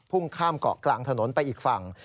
ข้ามเกาะกลางถนนไปอีกฝั่ง